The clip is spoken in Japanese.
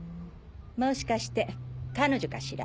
もしかして彼女かしら？